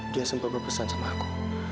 dia sempat berpesan sama aku